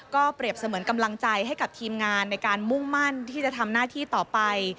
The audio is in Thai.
ก็เปรียบเสมือนกำลังใจให้กับทีมงานในการมุ่งมั่นที่จะทำหน้าที่ต่อไป